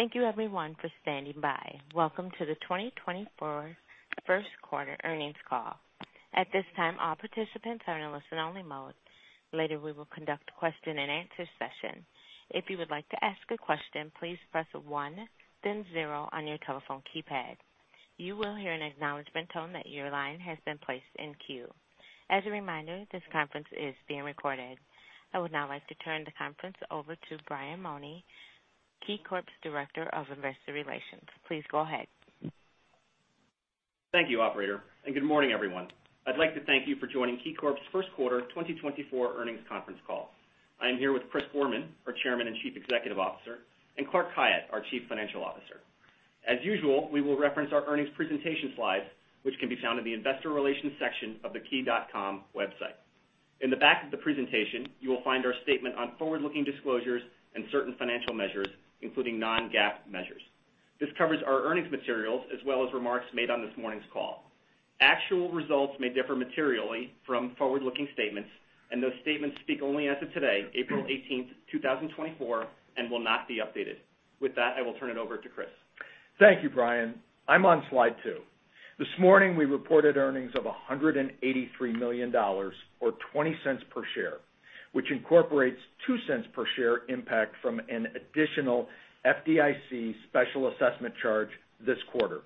Thank you everyone for standing by. Welcome to the 2024 First Quarter Earnings Call. At this time, all participants are in a listen-only mode. Later, we will conduct a question-and-answer session. If you would like to ask a question, please press 1, then 0 on your telephone keypad. You will hear an acknowledgment tone that your line has been placed in queue. As a reminder, this conference is being recorded. I would now like to turn the conference over to Brian Mauney, KeyCorp's Director of Investor Relations. Please go ahead. Thank you, operator, and good morning, everyone. I'd like to thank you for joining KeyCorp's First Quarter 2024 Earnings Conference Call. I am here with Chris Gorman, our Chairman and Chief Executive Officer, and Clark Khayat, our Chief Financial Officer. As usual, we will reference our earnings presentation slides, which can be found in the Investor Relations section of the key.com website. In the back of the presentation, you will find our statement on forward-looking disclosures and certain financial measures, including non-GAAP measures. This covers our earnings materials as well as remarks made on this morning's call. Actual results may differ materially from forward-looking statements, and those statements speak only as of today, April eighteenth, 2024, and will not be updated. With that, I will turn it over to Chris. Thank you, Brian. I'm on slide 2. This morning, we reported earnings of $183 million, or 20 cents per share, which incorporates 2 cents per share impact from an additional FDIC special assessment charge this quarter.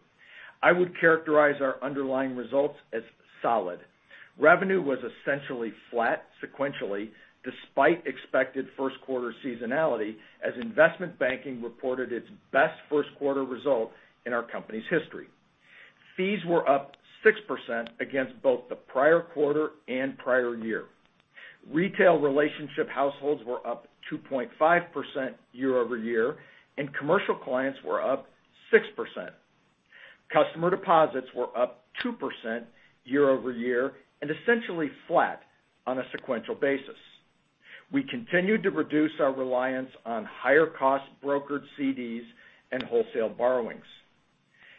I would characterize our underlying results as solid. Revenue was essentially flat sequentially, despite expected first quarter seasonality, as investment banking reported its best first quarter result in our company's history. Fees were up 6% against both the prior quarter and prior year. Retail relationship households were up 2.5% year over year, and commercial clients were up 6%. Customer deposits were up 2% year over year and essentially flat on a sequential basis. We continued to reduce our reliance on higher-cost brokered CDs and wholesale borrowings.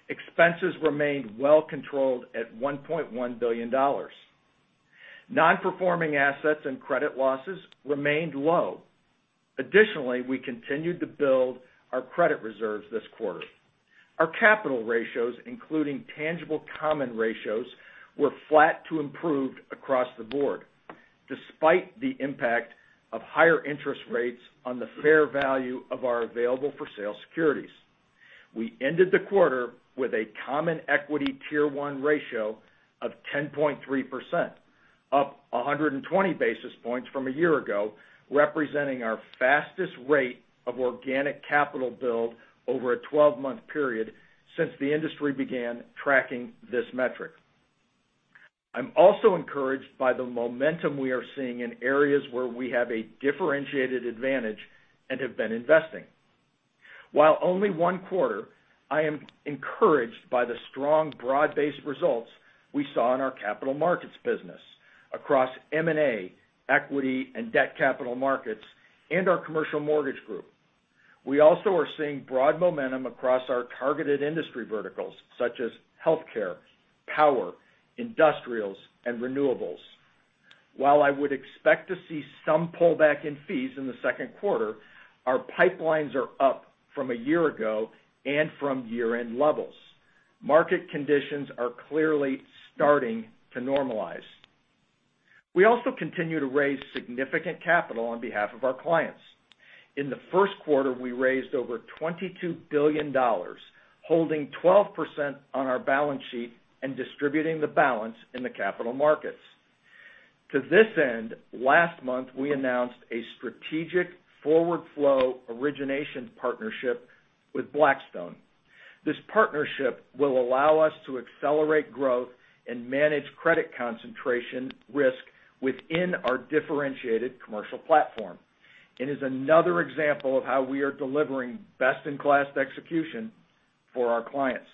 Expenses remained well controlled at $1.1 billion. Nonperforming assets and credit losses remained low. Additionally, we continued to build our credit reserves this quarter. Our capital ratios, including tangible common ratios, were flat to improved across the board, despite the impact of higher interest rates on the fair value of our available-for-sale securities. We ended the quarter with a Common Equity Tier 1 ratio of 10.3%, up 120 basis points from a year ago, representing our fastest rate of organic capital build over a 12-month period since the industry began tracking this metric. I'm also encouraged by the momentum we are seeing in areas where we have a differentiated advantage and have been investing. While only one quarter, I am encouraged by the strong, broad-based results we saw in our capital markets business across M&A, equity and debt capital markets, and our commercial mortgage group. We also are seeing broad momentum across our targeted industry verticals such as healthcare, power, industrials, and renewables. While I would expect to see some pullback in fees in the second quarter, our pipelines are up from a year ago and from year-end levels. Market conditions are clearly starting to normalize. We also continue to raise significant capital on behalf of our clients. In the first quarter, we raised over $22 billion, holding 12% on our balance sheet and distributing the balance in the capital markets. To this end, last month, we announced a strategic forward flow origination partnership with Blackstone. This partnership will allow us to accelerate growth and manage credit concentration risk within our differentiated commercial platform. It is another example of how we are delivering best-in-class execution for our clients.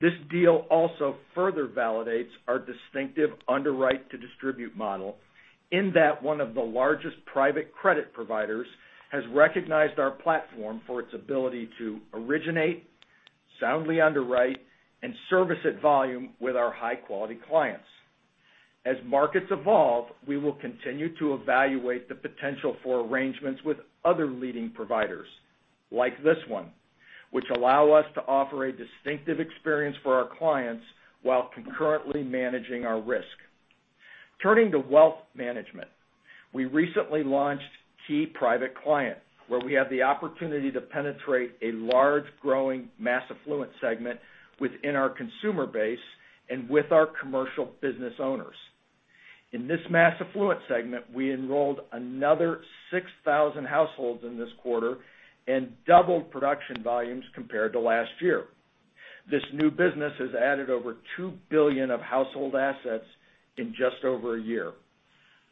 This deal also further validates our distinctive underwrite-to-distribute model in that one of the largest private credit providers has recognized our platform for its ability to originate, soundly underwrite, and service at volume with our high-quality clients. As markets evolve, we will continue to evaluate the potential for arrangements with other leading providers like this one, which allow us to offer a distinctive experience for our clients while concurrently managing our risk. Turning to wealth management, we recently launched Key Private Client, where we have the opportunity to penetrate a large, growing mass affluent segment within our consumer base and with our commercial business owners. In this mass affluent segment, we enrolled another 6,000 households in this quarter and doubled production volumes compared to last year. This new business has added over $2 billion of household assets in just over a year.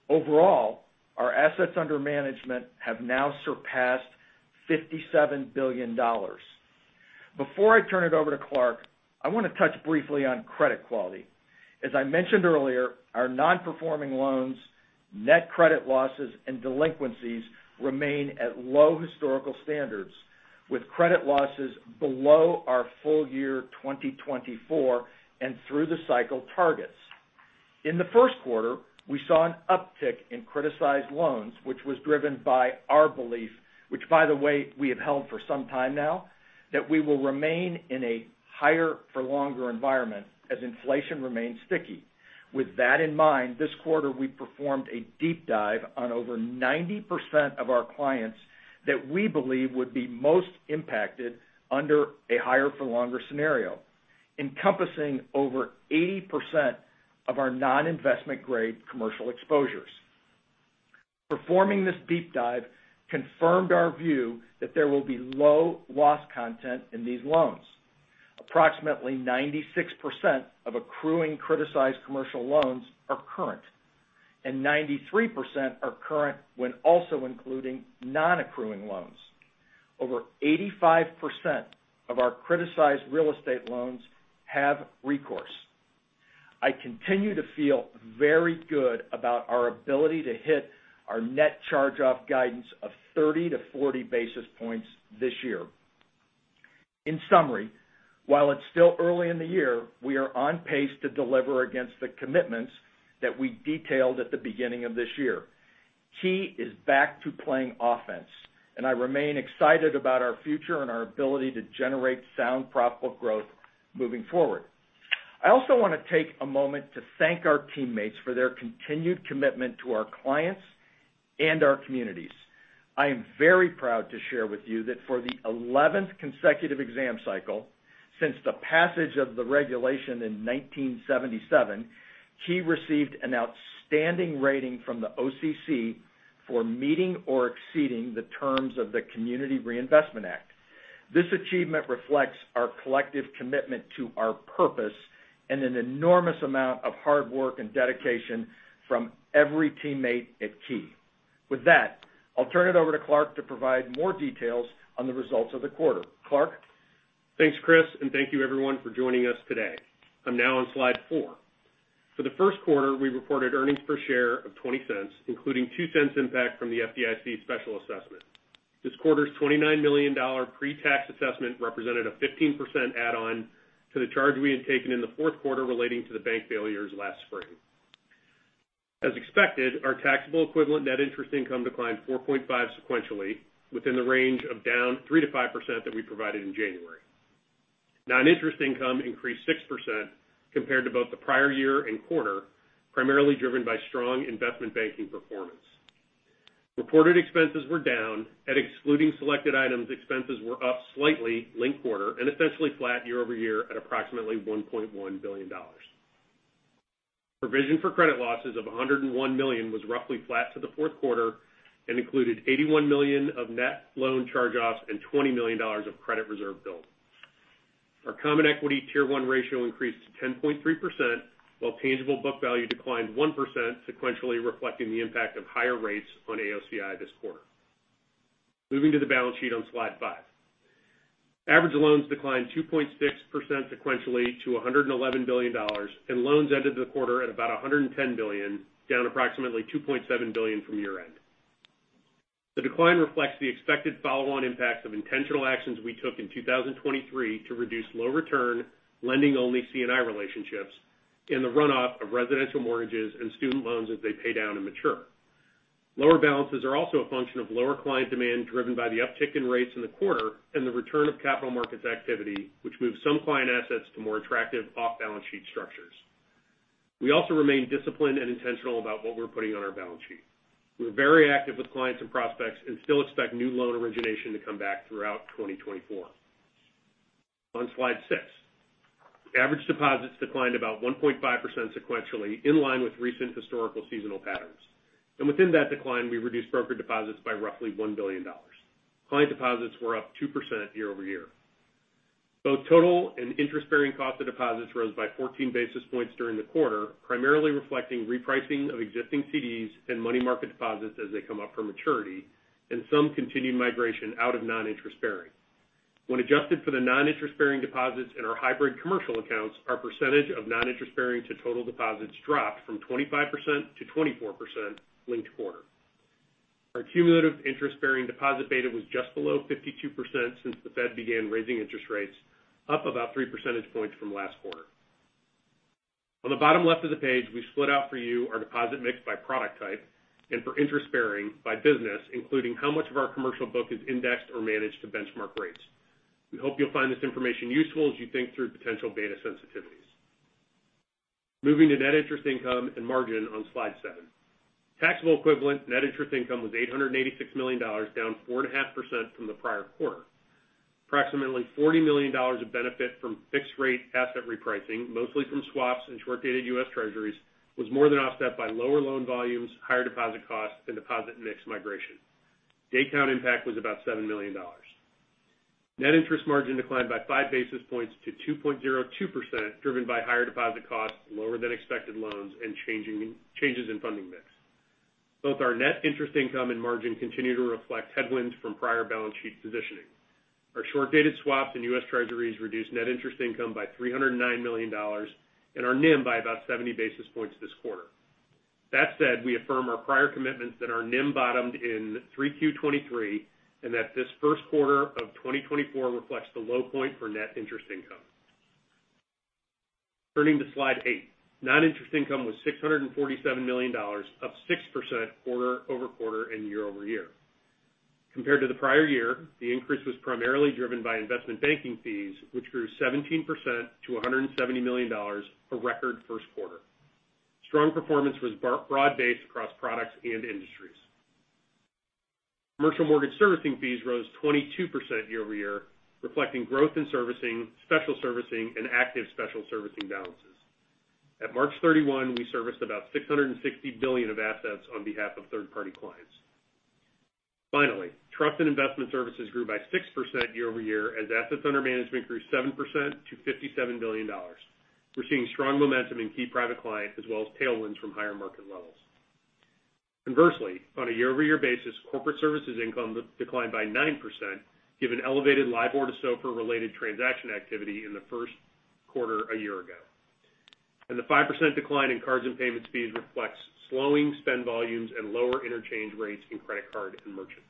Overall, our assets under management have now surpassed $57 billion. Before I turn it over to Clark, I want to touch briefly on credit quality. As I mentioned earlier, our nonperforming loans, net credit losses, and delinquencies remain at low historical standards, with credit losses below our full year 2024 and through-the-cycle targets.... In the first quarter, we saw an uptick in criticized loans, which was driven by our belief, which by the way, we have held for some time now, that we will remain in a higher for longer environment as inflation remains sticky. With that in mind, this quarter, we performed a deep dive on over 90% of our clients that we believe would be most impacted under a higher for longer scenario, encompassing over 80% of our non-investment grade commercial exposures. Performing this deep dive confirmed our view that there will be low loss content in these loans. Approximately 96% of accruing criticized commercial loans are current, and 93% are current when also including non-accruing loans. Over 85% of our criticized real estate loans have recourse. I continue to feel very good about our ability to hit our net charge-off guidance of 30-40 basis points this year. In summary, while it's still early in the year, we are on pace to deliver against the commitments that we detailed at the beginning of this year. Key is back to playing offense, and I remain excited about our future and our ability to generate sound, profitable growth moving forward. I also want to take a moment to thank our teammates for their continued commitment to our clients and our communities. I am very proud to share with you that for the eleventh consecutive exam cycle, since the passage of the regulation in 1977, Key received an outstanding rating from the OCC for meeting or exceeding the terms of the Community Reinvestment Act. This achievement reflects our collective commitment to our purpose and an enormous amount of hard work and dedication from every teammate at Key. With that, I'll turn it over to Clark to provide more details on the results of the quarter. Clark? Thanks, Chris, and thank you everyone for joining us today. I'm now on slide 4. For the first quarter, we reported earnings per share of $0.20, including $0.02 impact from the FDIC special assessment. This quarter's $29 million pre-tax assessment represented a 15% add-on to the charge we had taken in the fourth quarter relating to the bank failures last spring. As expected, our taxable equivalent net interest income declined 4.5% sequentially, within the range of down 3%-5% that we provided in January. Non-interest income increased 6% compared to both the prior year and quarter, primarily driven by strong investment banking performance. Reported expenses were down, and excluding selected items, expenses were up slightly linked quarter and essentially flat year-over-year at approximately $1.1 billion. Provision for credit losses of $101 million was roughly flat to the fourth quarter and included $81 million of net loan charge-offs and $20 million of credit reserve build. Our Common Equity Tier 1 ratio increased to 10.3%, while tangible book value declined 1% sequentially, reflecting the impact of higher rates on AOCI this quarter. Moving to the balance sheet on slide 5. Average loans declined 2.6% sequentially to $111 billion, and loans ended the quarter at about $110 billion, down approximately $2.7 billion from year-end. The decline reflects the expected follow-on impacts of intentional actions we took in 2023 to reduce low return, lending-only C&I relationships, and the runoff of residential mortgages and student loans as they pay down and mature. Lower balances are also a function of lower client demand, driven by the uptick in rates in the quarter and the return of capital markets activity, which moved some client assets to more attractive off-balance sheet structures. We also remain disciplined and intentional about what we're putting on our balance sheet. We're very active with clients and prospects and still expect new loan origination to come back throughout 2024. On slide 6, average deposits declined about 1.5% sequentially, in line with recent historical seasonal patterns. Within that decline, we reduced broker deposits by roughly $1 billion. Client deposits were up 2% year-over-year. Both total and interest-bearing cost of deposits rose by 14 basis points during the quarter, primarily reflecting repricing of existing CDs and money market deposits as they come up for maturity, and some continued migration out of non-interest-bearing. When adjusted for the non-interest bearing deposits in our hybrid commercial accounts, our percentage of non-interest bearing to total deposits dropped from 25% to 24% linked-quarter. Our cumulative interest-bearing deposit beta was just below 52% since the Fed began raising interest rates, up about 3 percentage points from last quarter. On the bottom left of the page, we split out for you our deposit mix by product type and for interest bearing by business, including how much of our commercial book is indexed or managed to benchmark rates. We hope you'll find this information useful as you think through potential beta sensitivities. Moving to net interest income and margin on slide 7. Taxable equivalent net interest income was $886 million, down 4.5% from the prior quarter. Approximately $40 million of benefit from fixed rate asset repricing, mostly from swaps and short-dated US Treasuries, was more than offset by lower loan volumes, higher deposit costs, and deposit mix migration. Day count impact was about $7 million. Net interest margin declined by 5 basis points to 2.02%, driven by higher deposit costs, lower than expected loans, and changes in funding mix. Both our net interest income and margin continue to reflect headwinds from prior balance sheet positioning. Our short-dated swaps and US Treasuries reduced net interest income by $309 million, and our NIM by about 70 basis points this quarter.... That said, we affirm our prior commitments that our NIM bottomed in 3Q 2023, and that this first quarter of 2024 reflects the low point for net interest income. Turning to slide 8, non-interest income was $647 million, up 6% quarter-over-quarter and year-over-year. Compared to the prior year, the increase was primarily driven by investment banking fees, which grew 17% to $170 million, a record first quarter. Strong performance was broad-based across products and industries. Commercial mortgage servicing fees rose 22% year-over-year, reflecting growth in servicing, special servicing, and active special servicing balances. At March 31, we serviced about $660 billion of assets on behalf of third-party clients. Finally, trust and investment services grew by 6% year-over-year, as assets under management grew 7% to $57 billion. We're seeing strong momentum in Key Private Client, as well as tailwinds from higher market levels. Conversely, on a year-over-year basis, corporate services income declined by 9%, given elevated LIBOR to SOFR-related transaction activity in the first quarter a year ago. The 5% decline in cards and payments fees reflects slowing spend volumes and lower interchange rates in credit card and merchant.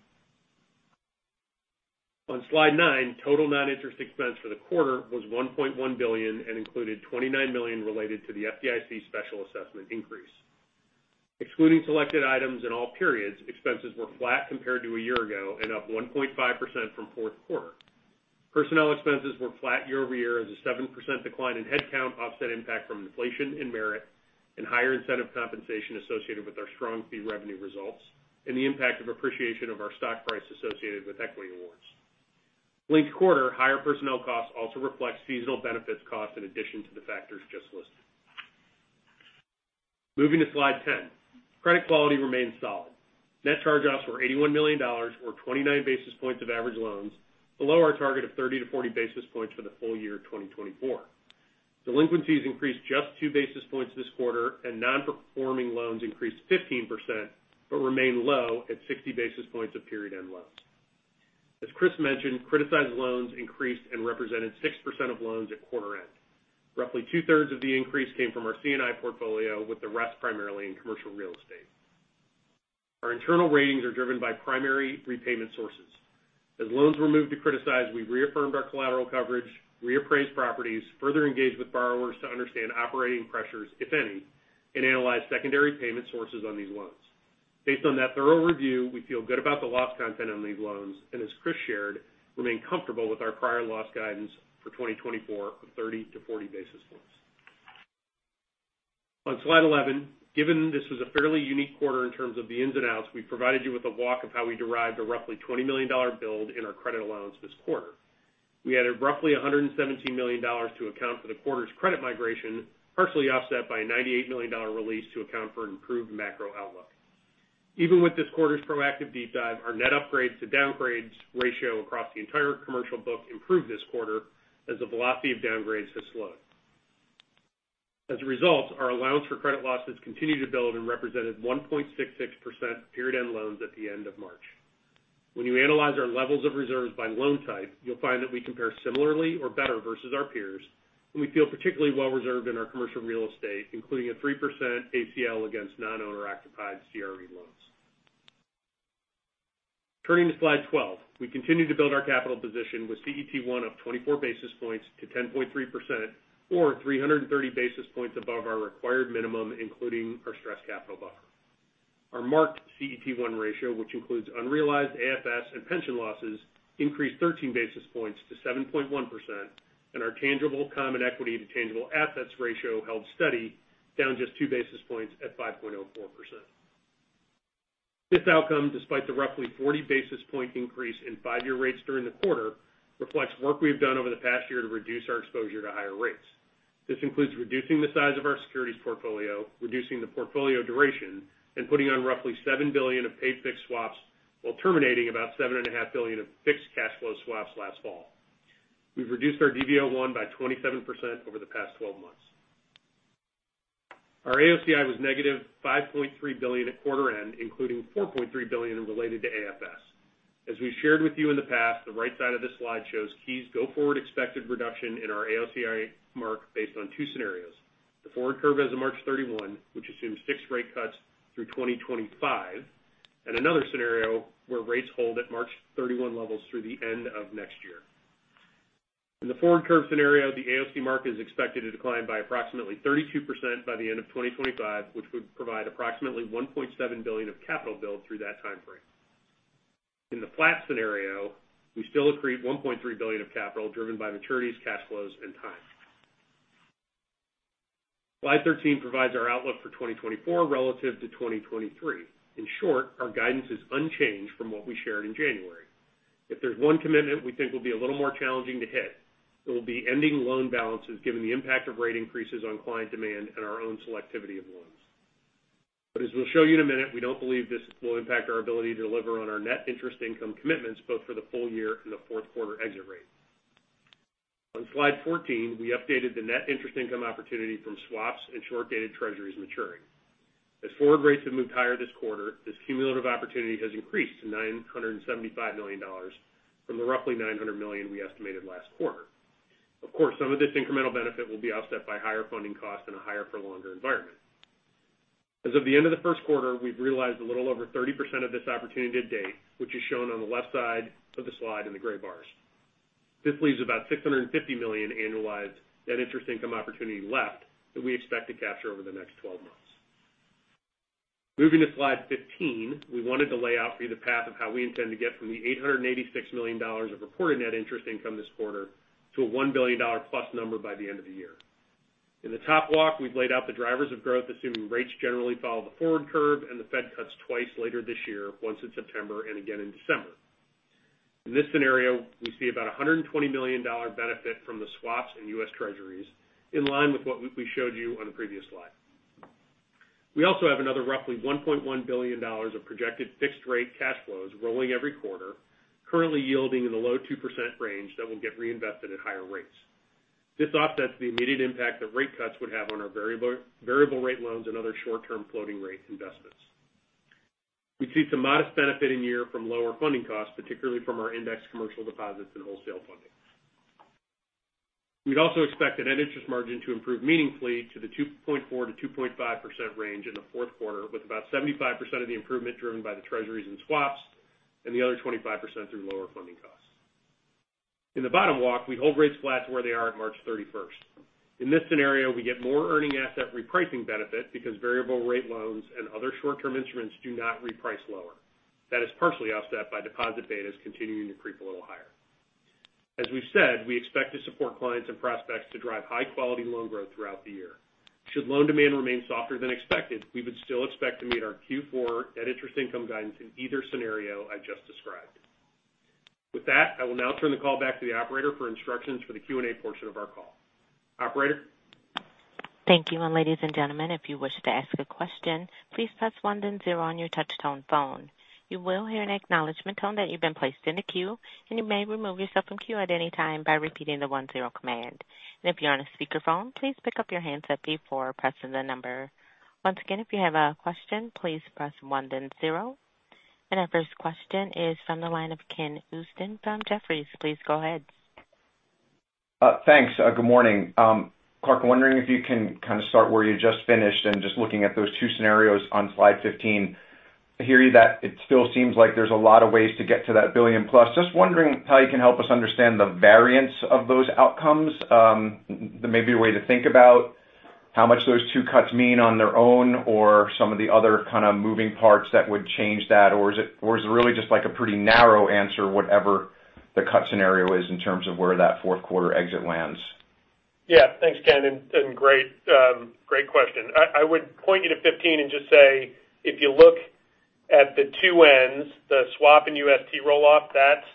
On slide 9, total non-interest expense for the quarter was $1.1 billion and included $29 million related to the FDIC special assessment increase. Excluding selected items in all periods, expenses were flat compared to a year ago and up 1.5% from fourth quarter. Personnel expenses were flat year-over-year, as a 7% decline in headcount offset impact from inflation and merit, and higher incentive compensation associated with our strong fee revenue results, and the impact of appreciation of our stock price associated with equity awards. Linked quarter, higher personnel costs also reflect seasonal benefits costs in addition to the factors just listed. Moving to slide 10. Credit quality remains solid. Net charge-offs were $81 million, or 29 basis points of average loans, below our target of 30-40 basis points for the full year 2024. Delinquencies increased just 2 basis points this quarter, and non-performing loans increased 15%, but remained low at 60 basis points of period end loans. As Chris mentioned, criticized loans increased and represented 6% of loans at quarter end. Roughly two-thirds of the increase came from our C&I portfolio, with the rest primarily in commercial real estate. Our internal ratings are driven by primary repayment sources. As loans were moved to criticize, we reaffirmed our collateral coverage, reappraised properties, further engaged with borrowers to understand operating pressures, if any, and analyzed secondary payment sources on these loans. Based on that thorough review, we feel good about the loss content on these loans, and as Chris shared, remain comfortable with our prior loss guidance for 2024 of 30-40 basis points. On slide 11, given this was a fairly unique quarter in terms of the ins and outs, we provided you with a walk of how we derived a roughly $20 million build in our credit allowance this quarter. We added roughly $117 million to account for the quarter's credit migration, partially offset by a $98 million release to account for improved macro outlook. Even with this quarter's proactive deep dive, our net upgrades to downgrades ratio across the entire commercial book improved this quarter, as the velocity of downgrades has slowed. As a result, our allowance for credit losses continued to build and represented 1.66% period end loans at the end of March. When you analyze our levels of reserves by loan type, you'll find that we compare similarly or better versus our peers, and we feel particularly well reserved in our commercial real estate, including a 3% ACL against non-owner occupied CRE loans. Turning to slide 12, we continue to build our capital position with CET1 of 24 basis points to 10.3% or 330 basis points above our required minimum, including our stress capital buffer. Our marked CET1 ratio, which includes unrealized AFS and pension losses, increased 13 basis points to 7.1%, and our tangible common equity to tangible assets ratio held steady, down just 2 basis points at 5.04%. This outcome, despite the roughly 40 basis points increase in five-year rates during the quarter, reflects work we've done over the past year to reduce our exposure to higher rates. This includes reducing the size of our securities portfolio, reducing the portfolio duration, and putting on roughly $7 billion of pay-fixed swaps while terminating about $7.5 billion of fixed cash flow swaps last fall. We've reduced our DV01 by 27% over the past 12 months. Our AOCI was negative $5.3 billion at quarter end, including $4.3 billion related to AFS. As we've shared with you in the past, the right side of this slide shows Key's go-forward expected reduction in our AOCI mark based on two scenarios: the forward curve as of March 31, which assumes six rate cuts through 2025, and another scenario where rates hold at March 31 levels through the end of next year. In the forward curve scenario, the AOCI mark is expected to decline by approximately 32% by the end of 2025, which would provide approximately $1.7 billion of capital build through that time frame. In the flat scenario, we still accrete $1.3 billion of capital, driven by maturities, cash flows, and time. Slide 13 provides our outlook for 2024 relative to 2023. In short, our guidance is unchanged from what we shared in January. If there's one commitment we think will be a little more challenging to hit, it will be ending loan balances, given the impact of rate increases on client demand and our own selectivity of loans. But as we'll show you in a minute, we don't believe this will impact our ability to deliver on our net interest income commitments, both for the full year and the fourth quarter exit rate. On slide 14, we updated the net interest income opportunity from swaps and short-dated treasuries maturing. As forward rates have moved higher this quarter, this cumulative opportunity has increased to $975 million from the roughly $900 million we estimated last quarter.... Of course, some of this incremental benefit will be offset by higher funding costs and a higher for longer environment. As of the end of the first quarter, we've realized a little over 30% of this opportunity to date, which is shown on the left side of the slide in the gray bars. This leaves about $650 million annualized net interest income opportunity left that we expect to capture over the next 12 months. Moving to slide 15, we wanted to lay out for you the path of how we intend to get from the $886 million of reported net interest income this quarter to a $1 billion-plus number by the end of the year. In the top block, we've laid out the drivers of growth, assuming rates generally follow the forward curve and the Fed cuts twice later this year, once in September and again in December. In this scenario, we see about $120 million benefit from the swaps in U.S. Treasuries, in line with what we showed you on the previous slide. We also have another roughly $1.1 billion of projected fixed rate cash flows rolling every quarter, currently yielding in the low 2% range that will get reinvested at higher rates. This offsets the immediate impact that rate cuts would have on our variable, variable rate loans and other short-term floating rate investments. We see some modest benefit in year from lower funding costs, particularly from our index commercial deposits and wholesale funding. We'd also expect a net interest margin to improve meaningfully to the 2.4%-2.5% range in the fourth quarter, with about 75% of the improvement driven by the Treasuries and swaps and the other 25% through lower funding costs. In the bottom walk, we hold rates flat to where they are at March thirty-first. In this scenario, we get more earning asset repricing benefit because variable rate loans and other short-term instruments do not reprice lower. That is partially offset by deposit betas continuing to creep a little higher. As we've said, we expect to support clients and prospects to drive high-quality loan growth throughout the year. Should loan demand remain softer than expected, we would still expect to meet our Q4 net interest income guidance in either scenario I just described. With that, I will now turn the call back to the operator for instructions for the Q&A portion of our call. Operator? Thank you. Ladies and gentlemen, if you wish to ask a question, please press one then zero on your touchtone phone. You will hear an acknowledgment tone that you've been placed in a queue, and you may remove yourself from queue at any time by repeating the one-zero command. If you're on a speakerphone, please pick up your handset before pressing the number. Once again, if you have a question, please press one, then zero. Our first question is from the line of Ken Usdin from Jefferies. Please go ahead. Thanks, good morning. Clark, I'm wondering if you can kind of start where you just finished and just looking at those two scenarios on slide 15. I hear you that it still seems like there's a lot of ways to get to that $1 billion plus. Just wondering how you can help us understand the variance of those outcomes. Maybe a way to think about how much those two cuts mean on their own or some of the other kind of moving parts that would change that? Or is it really just like a pretty narrow answer, whatever the cut scenario is in terms of where that fourth quarter exit lands? Yeah. Thanks, Ken, and great question. I would point you to 15 and just say, if you look at the two ends, the swap and UST roll-off, that's,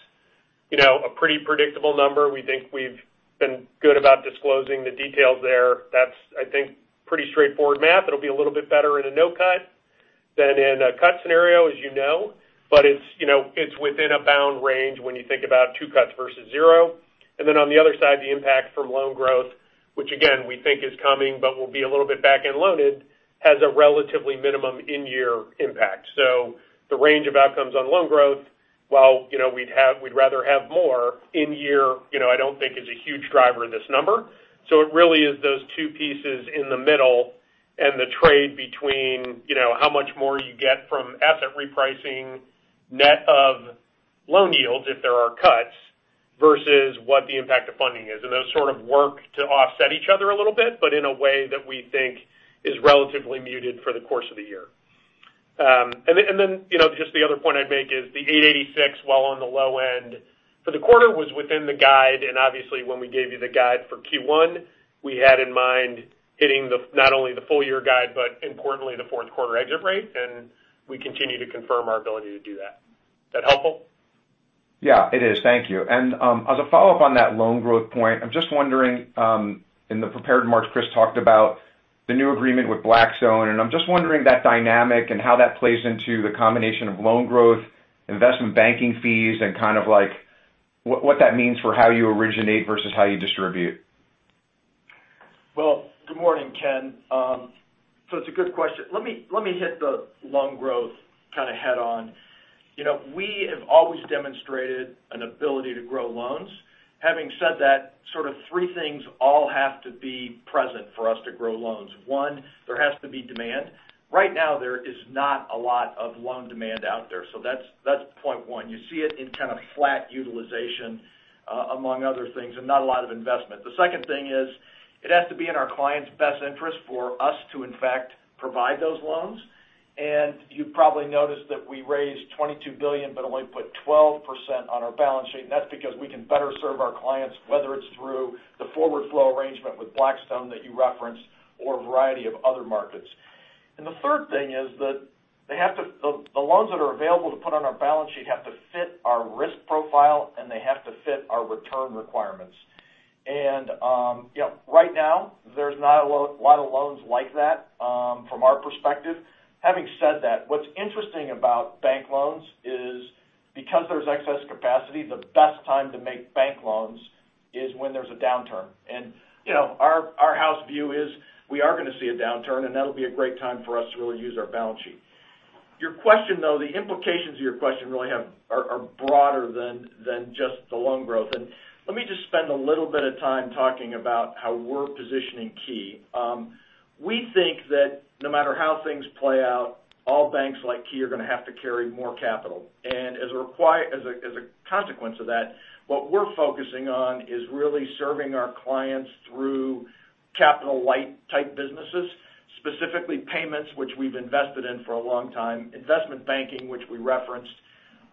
you know, a pretty predictable number. We think we've been good about disclosing the details there. That's, I think, pretty straightforward math. It'll be a little bit better in a no cut than in a cut scenario, as you know, but it's, you know, it's within a bound range when you think about 2 cuts versus 0. And then on the other side, the impact from loan growth, which again, we think is coming but will be a little bit back-end loaded, has a relatively minimum in-year impact. So the range of outcomes on loan growth, while, you know, we'd rather have more in year, you know, I don't think is a huge driver in this number. So it really is those two pieces in the middle and the trade between, you know, how much more you get from asset repricing, net of loan yields, if there are cuts, versus what the impact of funding is. And those sort of work to offset each other a little bit, but in a way that we think is relatively muted for the course of the year. And then, and then, you know, just the other point I'd make is the 8.86, while on the low end for the quarter, was within the guide, and obviously, when we gave you the guide for Q1, we had in mind hitting the, not only the full year guide, but importantly, the fourth quarter exit rate, and we continue to confirm our ability to do that. Is that helpful? Yeah, it is. Thank you. And, as a follow-up on that loan growth point, I'm just wondering, in the prepared remarks, Chris talked about the new agreement with Blackstone, and I'm just wondering that dynamic and how that plays into the combination of loan growth, investment banking fees, and kind of like, what, what that means for how you originate versus how you distribute. Well, good morning, Ken. So it's a good question. Let me, let me hit the loan growth kind of head on. You know, we have always demonstrated an ability to grow loans. Having said that, sort of three things all have to be present for us to grow loans. One, there has to be demand. Right now, there is not a lot of loan demand out there, so that's, that's point one. You see it in kind of flat utilization, among other things, and not a lot of investment. The second thing is, it has to be in our clients' best interest for us to, in fact, provide those loans. And you've probably noticed that we raised $22 billion, but only put 12% on our balance sheet, and that's because we can better serve our clients, whether it's through the forward flow arrangement with Blackstone that you referenced or a variety of other markets. And the third thing is that they have to- the, the loans that are available to put on our balance sheet have to fit our risk profile, and they have to fit our return requirements. And, you know, right now, there's not a lot of loans like that, from our perspective. Having said that, what's interesting about bank loans is because there's excess capacity, the best time to make bank loans is when there's a downturn. You know, our house view is we are going to see a downturn, and that'll be a great time for us to really use our balance sheet. Your question, though, the implications of your question really are broader than just the loan growth. And let me just spend a little bit of time talking about how we're positioning Key. We think that no matter how things play out, all banks like Key are going to have to carry more capital. And as a consequence of that, what we're focusing on is really serving our clients through capital light type businesses, specifically payments, which we've invested in for a long time, investment banking, which we referenced,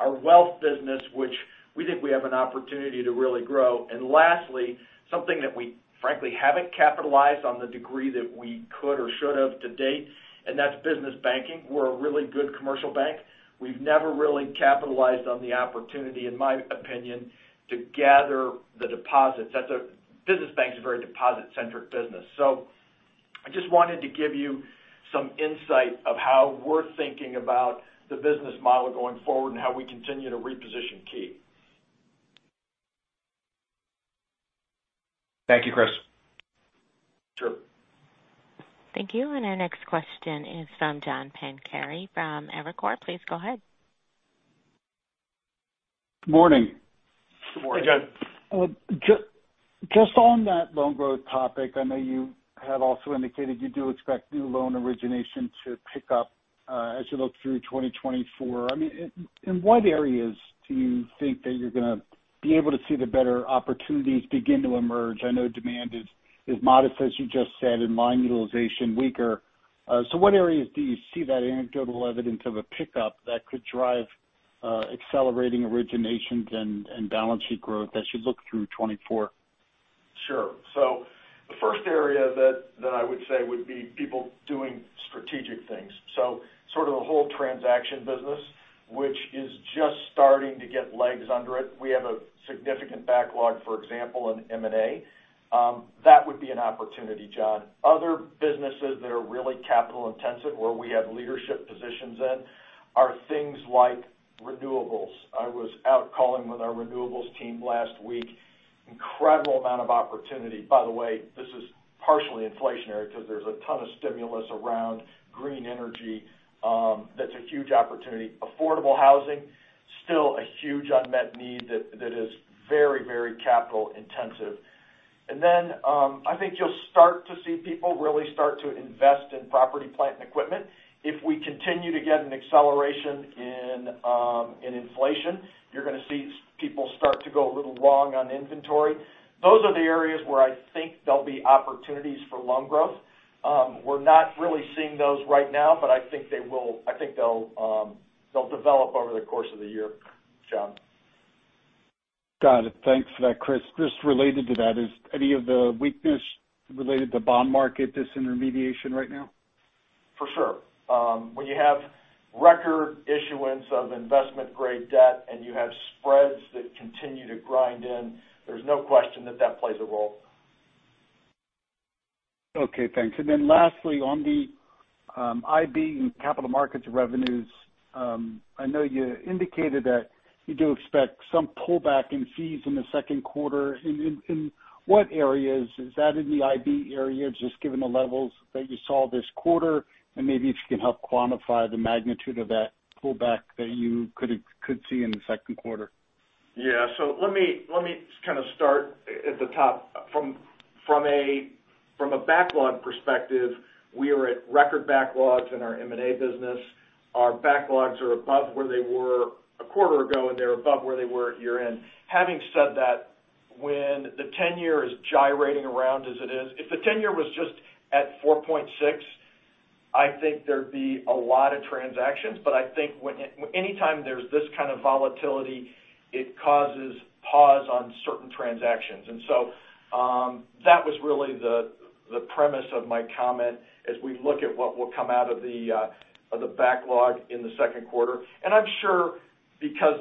our wealth business, which we think we have an opportunity to really grow. And lastly, something that we frankly haven't capitalized on the degree that we could or should have to date, and that's business banking. We're a really good commercial bank. We've never really capitalized on the opportunity, in my opinion, to gather the deposits. That's a business bank is a very deposit-centric business. So I just wanted to give you some insight of how we're thinking about the business model going forward and how we continue to reposition Key. Thank you, Chris. Sure. Thank you. And our next question is from John Pancari from Evercore. Please go ahead. Morning. Good morning. Hey, John. Just on that loan growth topic, I know you have also indicated you do expect new loan origination to pick up, as you look through 2024. I mean, in what areas do you think that you're going to be able to see the better opportunities begin to emerge? I know demand is modest, as you just said, and line utilization weaker. So what areas do you see that anecdotal evidence of a pickup that could drive accelerating originations and balance sheet growth as you look through 2024? Sure. So the first area that, that I would say would be people doing strategic things. So sort of the whole transaction business, which is just starting to get legs under it. We have a significant backlog, for example, in M&A. That would be an opportunity, John. Other businesses that are really capital intensive, where we have leadership positions in, are things like renewables. I was out calling with our renewables team last week. Incredible amount of opportunity. By the way, this is partially inflationary because there's a ton of stimulus around green energy, that's a huge opportunity. Affordable housing, still a huge unmet need that, that is very, very capital intensive. And then, I think you'll start to see people really start to invest in property, plant, and equipment. If we continue to get an acceleration in inflation, you're going to see people start to go a little long on inventory. Those are the areas where I think there'll be opportunities for loan growth. We're not really seeing those right now, but I think they will—I think they'll, they'll develop over the course of the year, John. Got it. Thanks for that, Chris. Just related to that, is any of the weakness related to bond market disintermediation right now? For sure. When you have record issuance of investment-grade debt and you have spreads that continue to grind in, there's no question that that plays a role. Okay, thanks. And then lastly, on the IB and capital markets revenues, I know you indicated that you do expect some pullback in fees in the second quarter. In what areas? Is that in the IB area, just given the levels that you saw this quarter? And maybe if you can help quantify the magnitude of that pullback that you could see in the second quarter. Yeah. So let me just kind of start at the top. From a backlog perspective, we are at record backlogs in our M&A business. Our backlogs are above where they were a quarter ago, and they're above where they were at year-end. Having said that, when the 10-year is gyrating around as it is, if the 10-year was just at 4.6, I think there'd be a lot of transactions. But I think when, anytime there's this kind of volatility, it causes pause on certain transactions. And so, that was really the premise of my comment as we look at what will come out of the backlog in the second quarter. I'm sure because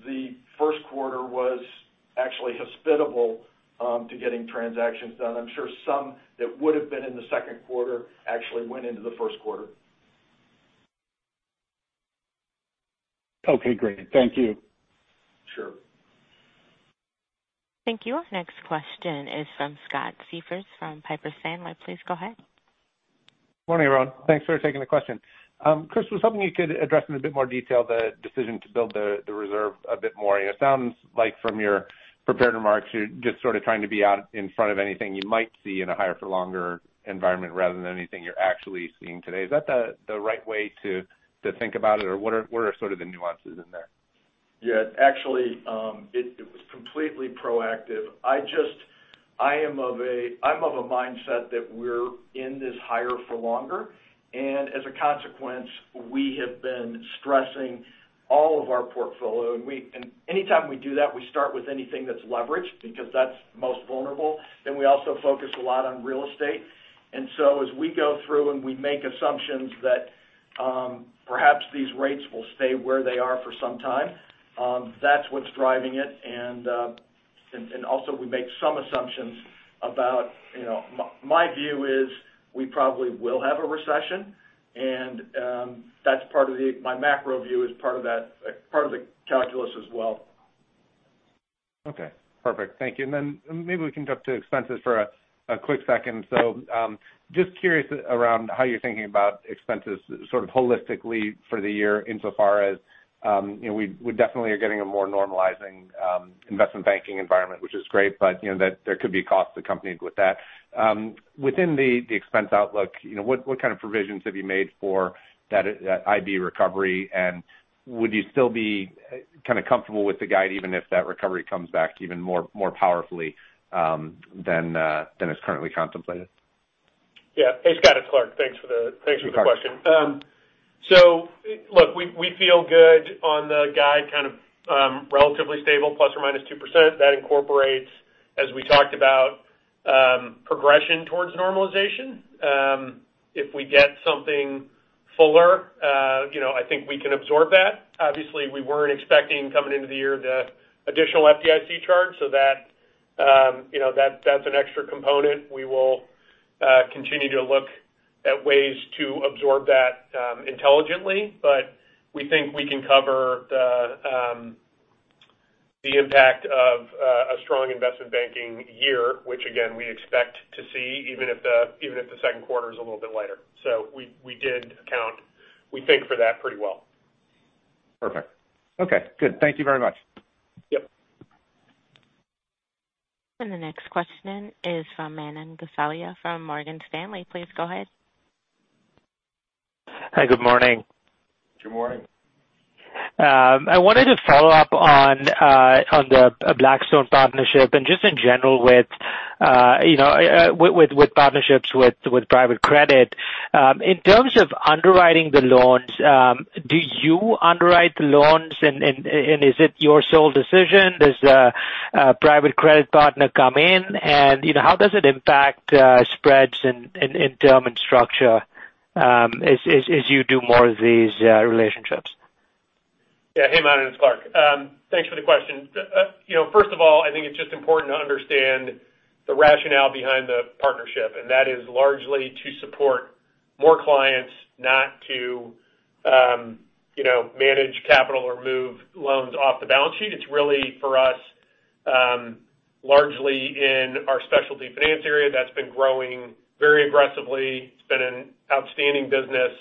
the first quarter was actually hospitable to getting transactions done, I'm sure some that would have been in the second quarter actually went into the first quarter. Okay, great. Thank you. Sure. Thank you. Our next question is from Scott Siefers from Piper Sandler. Please go ahead. Morning, everyone. Thanks for taking the question. Chris, I was hoping you could address in a bit more detail the decision to build the reserve a bit more. It sounds like from your prepared remarks, you're just sort of trying to be out in front of anything you might see in a higher for longer environment rather than anything you're actually seeing today. Is that the right way to think about it, or what are sort of the nuances in there? Yeah, actually, it was completely proactive. I just—I'm of a mindset that we're in this higher for longer, and as a consequence, we have been stressing all of our portfolio. And anytime we do that, we start with anything that's leveraged because that's most vulnerable, then we also focus a lot on real estate. And so as we go through and we make assumptions that, perhaps these rates will stay where they are for some time, that's what's driving it. And also we make some assumptions about, you know... My view is we probably will have a recession, and that's part of the—my macro view is part of that, part of the calculus as well. Okay, perfect. Thank you. And then maybe we can jump to expenses for a quick second. So, just curious around how you're thinking about expenses sort of holistically for the year insofar as, you know, we definitely are getting a more normalizing investment banking environment, which is great, but, you know, that there could be costs accompanied with that. Within the expense outlook, you know, what kind of provisions have you made for that IB recovery? And would you still be kind of comfortable with the guide, even if that recovery comes back even more powerfully than is currently contemplated? Yeah. Hey, Scott, it's Clark. Thanks for the question. So look, we feel good on the guide, kind of relatively stable, ±2%. That incorporates, as we talked about, progression towards normalization. If we get something fuller, you know, I think we can absorb that. Obviously, we weren't expecting coming into the year the additional FDIC charge, so that, you know, that's an extra component. We will continue to look at ways to absorb that intelligently, but we think we can cover the impact of a strong investment banking year, which again, we expect to see, even if the second quarter is a little bit lighter. So we did account, we think, for that pretty well. Perfect. Okay, good. Thank you very much. Yep. The next question is from Manan Gosalia from Morgan Stanley. Please go ahead. Hi, good morning. Good morning. I wanted to follow up on the Blackstone partnership and just in general with, you know, with partnerships with private credit. In terms of underwriting the loans, do you underwrite the loans and is it your sole decision? Does the private credit partner come in? And, you know, how does it impact spreads and in term and structure as you do more of these relationships? Yeah. Hey, Manan, it's Clark. Thanks for the question. You know, first of all, I think it's just important to understand the rationale behind the partnership, and that is largely to support more clients, not to, you know, manage capital or move loans off the balance sheet. It's really, for us, largely in our specialty finance area, that's been growing very aggressively. It's been an outstanding business.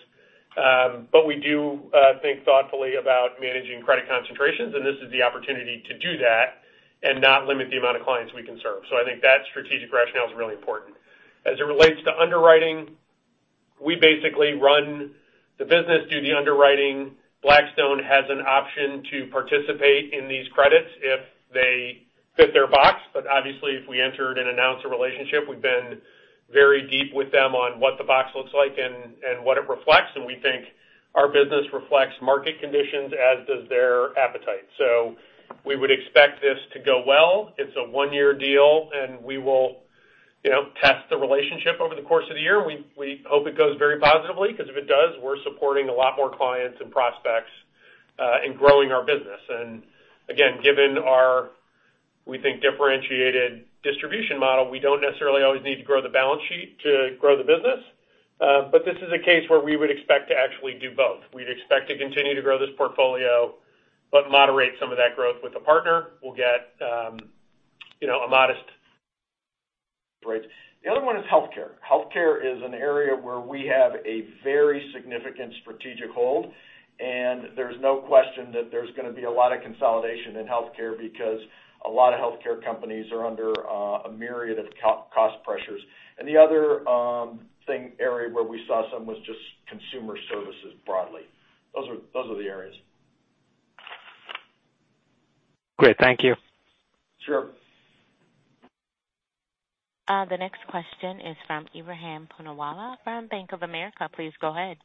But we do think thoughtfully about managing credit concentrations, and this is the opportunity to do that and not limit the amount of clients we can serve. So I think that strategic rationale is really important. As it relates to underwriting, we basically run the business, do the underwriting. Blackstone has an option to participate in these credits if they fit their box. But obviously, if we entered and announced a relationship, we've been very deep with them on what the box looks like and what it reflects, and we think our business reflects market conditions, as does their appetite. So we would expect this to go well. It's a one-year deal, and we will, you know, test the relationship over the course of the year. We hope it goes very positively, because if it does, we're supporting a lot more clients and prospects in growing our business. And again, given our, we think, differentiated distribution model, we don't necessarily always need to grow the balance sheet to grow the business. But this is a case where we would expect to actually do both. We'd expect to continue to grow this portfolio, but moderate some of that growth with a partner. We'll get, you know, a modest rates. The other one is healthcare. Healthcare is an area where we have a very significant strategic hold, and there's no question that there's going to be a lot of consolidation in healthcare because a lot of healthcare companies are under a myriad of cost pressures. And the other area where we saw some was just consumer services broadly. Those are the areas. Great. Thank you. Sure. The next question is from Ebrahim Poonawala from Bank of America. Please go ahead.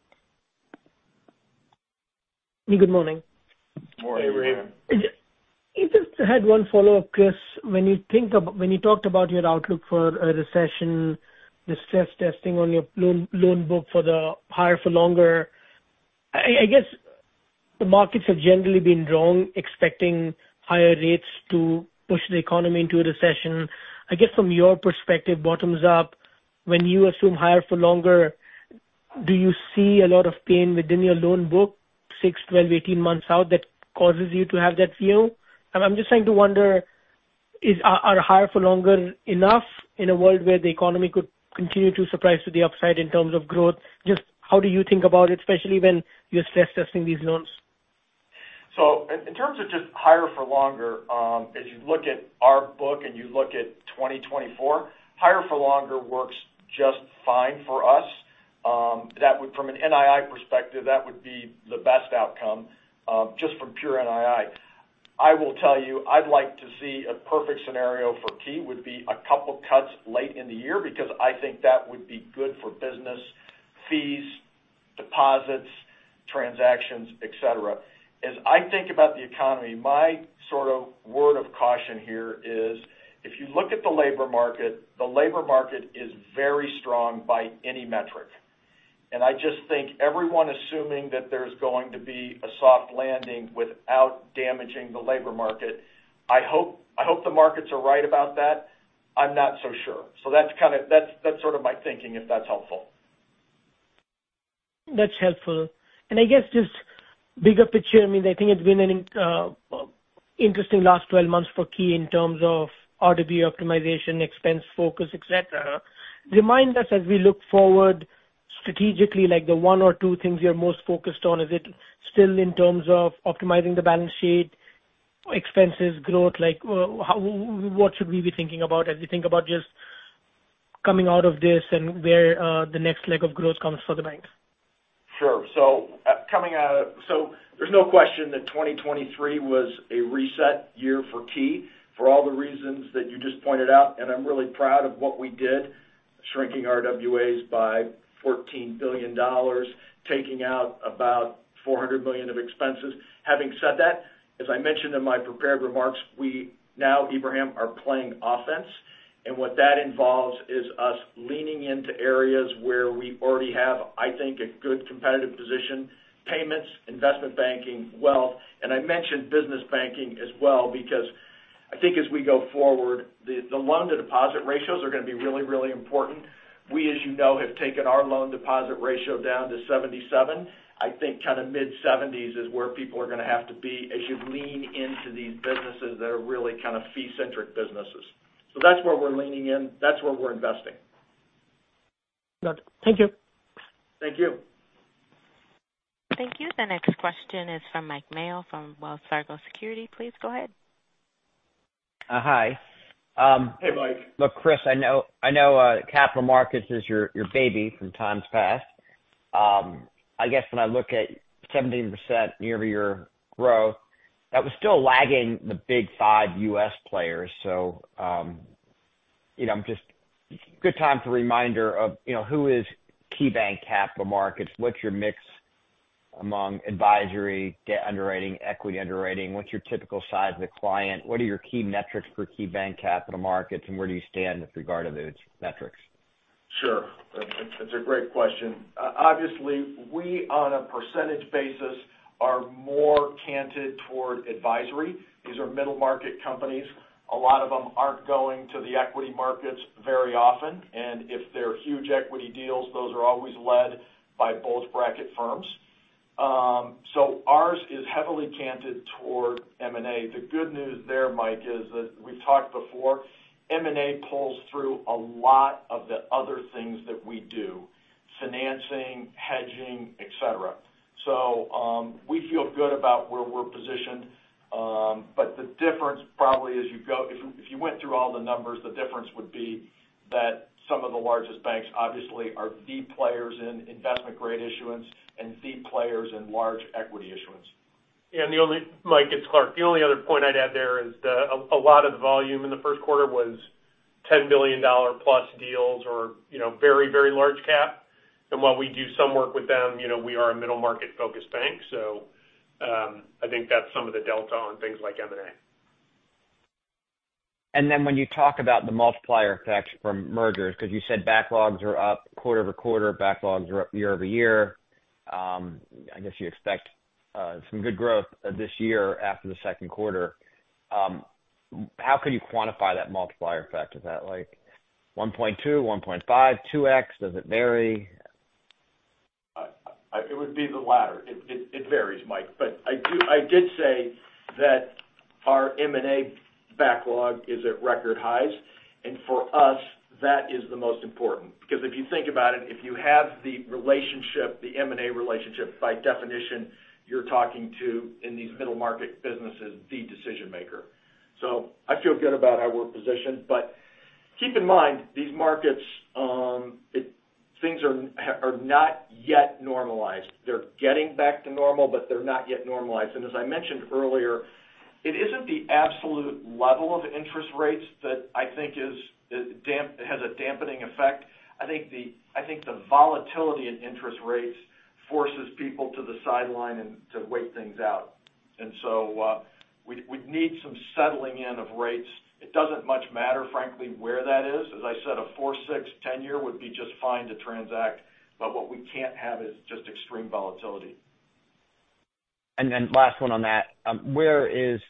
Good morning. Morning, Ebrahim. Hey, Ebrahim. I just had one follow-up, Chris. When you talked about your outlook for a recession, the stress testing on your loan book for the higher for longer, I guess the markets have generally been wrong, expecting higher rates to push the economy into a recession. I guess from your perspective, bottoms up, when you assume higher for longer, do you see a lot of pain within your loan book 6, 12, 18 months out that causes you to have that view? And I'm just trying to wonder, are higher for longer enough in a world where the economy could continue to surprise to the upside in terms of growth? Just how do you think about it, especially when you're stress testing these loans? So in terms of just higher for longer, as you look at our book and you look at 2024, higher for longer works just fine for us. That would, from an NII perspective, be the best outcome, just from pure NII. I will tell you, I'd like to see a perfect scenario for Key would be a couple cuts late in the year, because I think that would be good for business, fees, deposits, transactions, et cetera. As I think about the economy, my sort of word of caution here is, if you look at the labor market, the labor market is very strong by any metric. And I just think everyone assuming that there's going to be a soft landing without damaging the labor market, I hope, I hope the markets are right about that. I'm not so sure. That's kind of-- that's, that's sort of my thinking, if that's helpful. That's helpful. And I guess just bigger picture, I mean, I think it's been an interesting last twelve months for Key in terms of RWA optimization, expense focus, et cetera. Remind us as we look forward strategically, like the one or two things you're most focused on, is it still in terms of optimizing the balance sheet, expenses, growth? Like, how—what should we be thinking about as we think about just coming out of this and where the next leg of growth comes for the bank? Sure. So, coming out of—so there's no question that 2023 was a reset year for Key, for all the reasons that you just pointed out, and I'm really proud of what we did, shrinking RWAs by $14 billion, taking out about $400 million of expenses. Having said that, as I mentioned in my prepared remarks, we now, Ebrahim, are playing offense, and what that involves is us leaning into areas where we already have, I think, a good competitive position, payments, investment banking, wealth. And I mentioned business banking as well, because I think as we go forward, the loan-to-deposit ratios are going to be really, really important. We, as you know, have taken our loan-to-deposit ratio down to 77%. I think kind of mid-70s is where people are going to have to be as you lean into these businesses that are really kind of fee-centric businesses. So that's where we're leaning in. That's where we're investing. Gotcha. Thank you. Thank you. Thank you. The next question is from Mike Mayo from Wells Fargo Securities. Please go ahead. Hi. Hey, Mike. Look, Chris, I know, I know, capital markets is your, your baby from times past. I guess when I look at 17% year-over-year growth, that was still lagging the big five U.S. players. So, you know, I'm just -- good time for a reminder of, you know, who is KeyBanc Capital Markets? What's your mix among advisory, debt underwriting, equity underwriting? What's your typical size of the client? What are your key metrics for KeyBanc Capital Markets, and where do you stand with regard to those metrics? Sure. That's, that's a great question. Obviously, we, on a percentage basis, are more canted toward advisory. These are middle-market companies. A lot of them aren't going to the equity markets very often, and if they're huge equity deals, those are always led by bulge bracket firms. So ours is heavily canted toward M&A. The good news there, Mike, is that we've talked before, M&A pulls through a lot of the other things that we do, financing, hedging, et cetera. So, we feel good about where we're positioned. But the difference probably, as you go-- if, if you went through all the numbers, the difference would be that some of the largest banks, obviously, are deep players in investment-grade issuance and deep players in large equity issuance. And the only, Mike, it's Clark. The only other point I'd add there is that a lot of the volume in the first quarter was $10 billion-plus deals or, you know, very, very large cap. And while we do some work with them, you know, we are a middle-market-focused bank. So, I think that's some of the delta on things like M&A. And then when you talk about the multiplier effect from mergers, because you said backlogs are up quarter-over-quarter, backlogs are up year-over-year, I guess you expect some good growth this year after the second quarter. How could you quantify that multiplier effect? Is that like 1.2, 1.5, 2x? Does it vary? It would be the latter. It varies, Mike. But I did say that our M&A backlog is at record highs, and for us, that is the most important. Because if you think about it, if you have the relationship, the M&A relationship, by definition, you're talking to, in these middle-market businesses, the decision maker. So I feel good about how we're positioned. But keep in mind, these markets, things are not yet normalized. They're getting back to normal, but they're not yet normalized. And as I mentioned earlier, it isn't the absolute level of interest rates that I think has a dampening effect. I think the volatility in interest rates forces people to the sideline and to wait things out. And so, we'd need some settling in of rates. It doesn't much matter, frankly, where that is. As I said, a 4-6, 10-year would be just fine to transact, but what we can't have is just extreme volatility. And then last one on that. Where is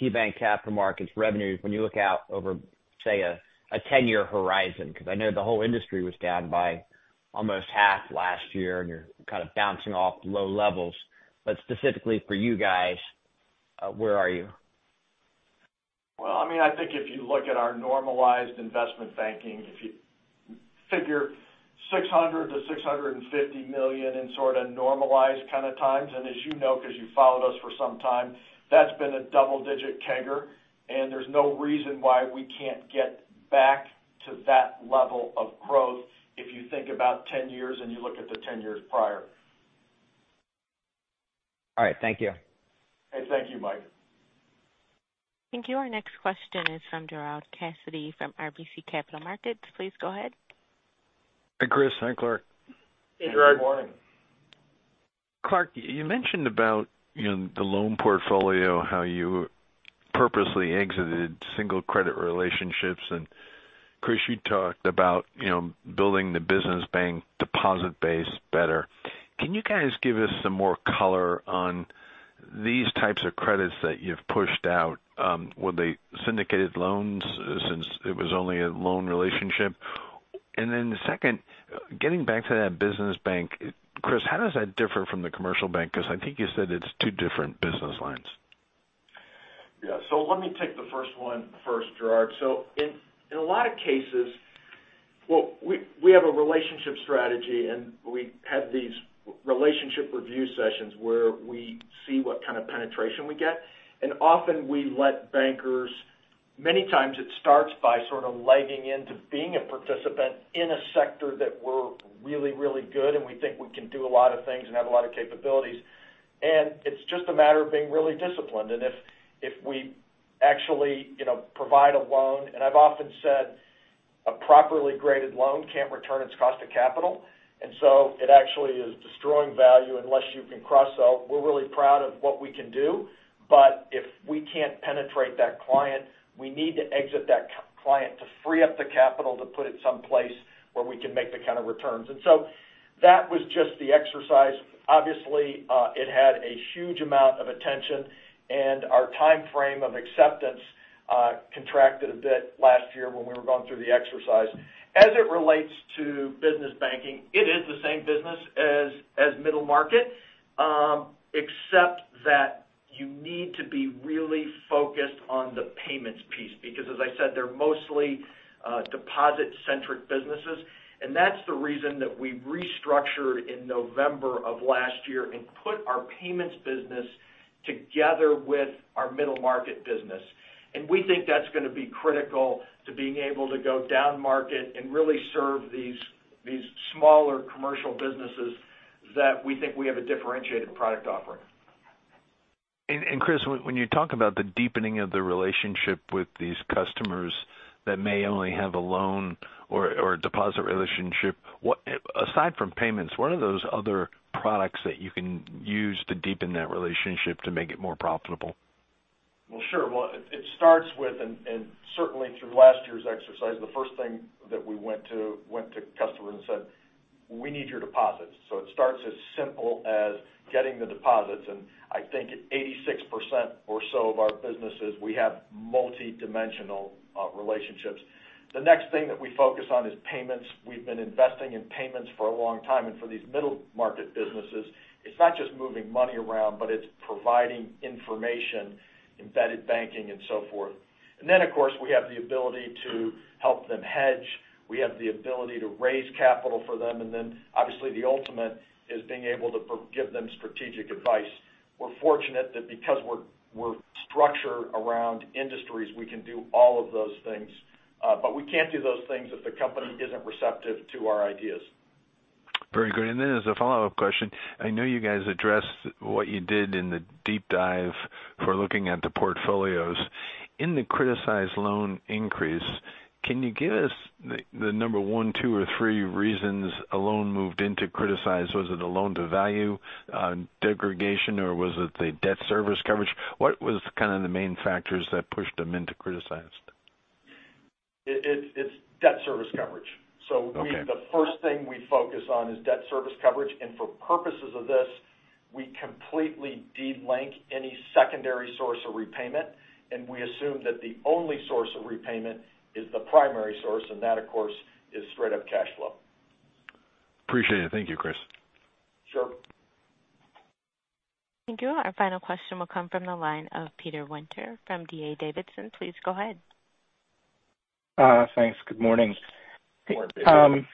KeyBanc Capital Markets revenue when you look out over, say, a 10-year horizon? Because I know the whole industry was down by almost half last year, and you're kind of bouncing off low levels. But specifically for you guys, where are you? Well, I mean, I think if you look at our normalized investment banking, if you figure $600 million-$650 million in sort of normalized kind of times, and as you know, because you've followed us for some time, that's been a double-digit grower, and there's no reason why we can't get back to that level of growth if you think about 10 years and you look at the 10 years prior. All right. Thank you. Thank you, Mike. Thank you. Our next question is from Gerard Cassidy from RBC Capital Markets. Please go ahead. Hi, Chris. Hi, Clark. Hey, Gerald. Good morning. Clark, you mentioned about, you know, the loan portfolio, how you purposely exited single credit relationships. Chris, you talked about, you know, building the business bank deposit base better. Can you guys give us some more color on these types of credits that you've pushed out, were they syndicated loans since it was only a loan relationship? And then the second, getting back to that business bank, Chris, how does that differ from the commercial bank? Because I think you said it's two different business lines. Yeah. So let me take the first one first, Gerard. So in a lot of cases, well, we have a relationship strategy, and we have these relationship review sessions where we see what kind of penetration we get. And often we let bankers, many times it starts by sort of legging into being a participant in a sector that we're really, really good, and we think we can do a lot of things and have a lot of capabilities. And it's just a matter of being really disciplined. And if we actually, you know, provide a loan, and I've often said, a properly graded loan can't return its cost to capital, and so it actually is destroying value unless you can cross sell. We're really proud of what we can do, but if we can't penetrate that client, we need to exit that client to free up the capital to put it someplace where we can make the kind of returns. And so that was just the exercise. Obviously, it had a huge amount of attention, and our time frame of acceptance contracted a bit last year when we were going through the exercise. As it relates to business banking, it is the same business as middle market, except that you need to be really focused on the payments piece, because as I said, they're mostly deposit-centric businesses. And that's the reason that we restructured in November of last year and put our payments business together with our middle market business. We think that's going to be critical to being able to go down market and really serve these smaller commercial businesses that we think we have a differentiated product offering. Chris, when you talk about the deepening of the relationship with these customers that may only have a loan or a deposit relationship, what, aside from payments, what are those other products that you can use to deepen that relationship to make it more profitable? Well, sure. Well, it starts with, and certainly through last year's exercise, the first thing that we went to customers and said, "We need your deposits." So it starts as simple as getting the deposits, and I think 86% or so of our businesses, we have multidimensional relationships. The next thing that we focus on is payments. We've been investing in payments for a long time, and for these middle market businesses, it's not just moving money around, but it's providing information, embedded banking and so forth. And then, of course, we have the ability to help them hedge. We have the ability to raise capital for them, and then obviously, the ultimate is being able to provide them strategic advice. We're fortunate that because we're structured around industries, we can do all of those things, but we can't do those things if the company isn't receptive to our ideas. Very good. And then as a follow-up question, I know you guys addressed what you did in the deep dive for looking at the portfolios. In the criticized loan increase, can you give us the, the number one, two, or three reasons a loan moved into criticized? Was it a loan-to-value degradation, or was it the debt service coverage? What was kind of the main factors that pushed them into criticized? It's debt service coverage. Okay. So the first thing we focus on is debt service coverage, and for purposes of this, we completely delink any secondary source of repayment, and we assume that the only source of repayment is the primary source, and that, of course, is straight up cash flow. Appreciate it. Thank you, Chris. Sure. Thank you. Our final question will come from the line of Peter Winter from D.A. Davidson. Please go ahead. Thanks. Good morning. Good morning.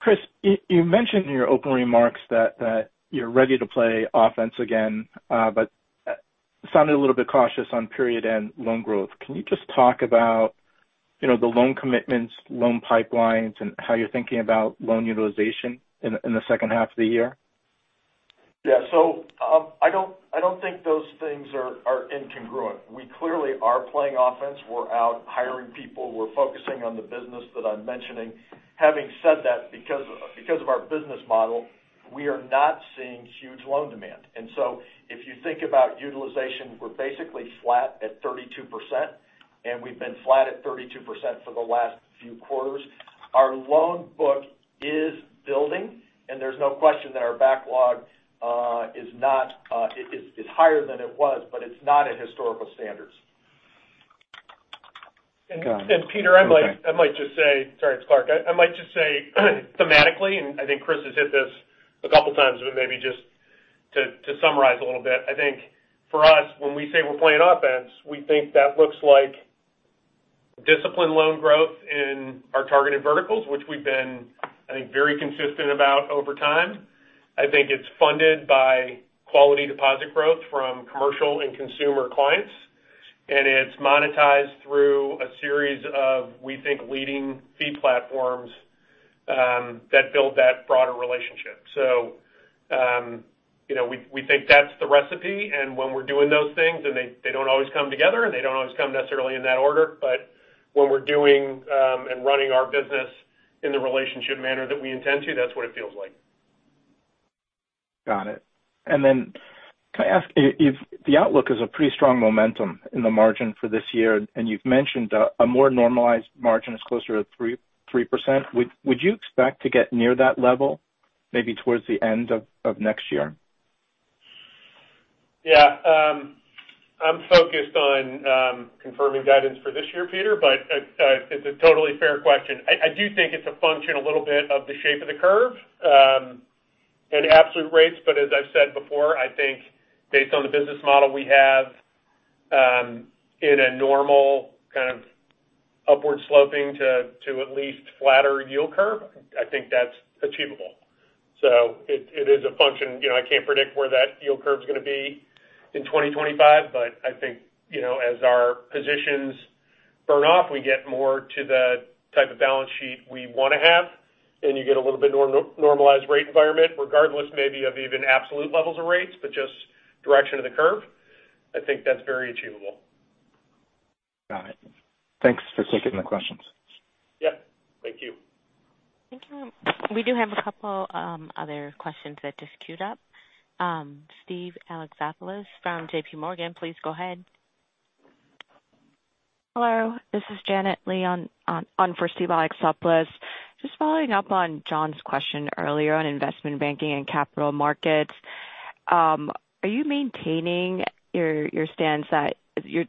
Chris, you mentioned in your opening remarks that you're ready to play offense again, but sounded a little bit cautious on period-end loan growth. Can you just talk about, you know, the loan commitments, loan pipelines, and how you're thinking about loan utilization in the second half of the year? Yeah. So, I don't, I don't think those things are, are incongruent. We clearly are playing offense. We're out hiring people. We're focusing on the business that I'm mentioning. Having said that, because, because of our business model, we are not seeing huge loan demand. And so if you think about utilization, we're basically flat at 32%, and we've been flat at 32% for the last few quarters. Our loan book is building, and there's no question that our backlog is not, it's higher than it was, but it's not at historical standards. Got it. Peter, I might just say... Sorry, it's Clark. I might just say, thematically, and I think Chris has hit this a couple of times, but maybe just to summarize a little bit. I think for us, when we say we're playing offense, we think that looks like disciplined loan growth in our targeted verticals, which we've been, I think, very consistent about over time. I think it's funded by quality deposit growth from commercial and consumer clients, and it's monetized through a series of, we think, leading fee platforms that build that broader relationship. You know, we think that's the recipe, and when we're doing those things, and they don't always come together, and they don't always come necessarily in that order, but when we're doing and running our business in the relationship manner that we intend to, that's what it feels like. Got it. And then can I ask if the outlook is a pretty strong momentum in the margin for this year, and you've mentioned a more normalized margin is closer to 3%. Would you expect to get near that level, maybe towards the end of next year? Yeah, I'm focused on confirming guidance for this year, Peter, but it's a totally fair question. I do think it's a function a little bit of the shape of the curve and absolute rates, but as I've said before, I think based on the business model we have, in a normal kind of upward sloping to at least flatter yield curve, I think that's achievable. So it is a function. You know, I can't predict where that yield curve is gonna be in 2025, but I think, you know, as our positions burn off, we get more to the type of balance sheet we want to have, and you get a little bit normalized rate environment, regardless maybe of even absolute levels of rates, but just direction of the curve. I think that's very achievable. Got it. Thanks for taking the questions. Yep, thank you. Thank you. We do have a couple, other questions that just queued up. Steve Alexopoulos from J.P. Morgan, please go ahead. Hello, this is Janet Lee on for Steve Alexopoulos. Just following up on John's question earlier on investment banking and capital markets. Are you maintaining your stance that you're